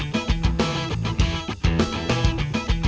kalo kekam beberapa pengetahuan